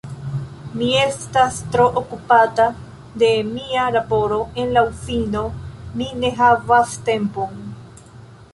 Mi estas tro okupata de mia laboro en la Uzino, mi ne havas tempon...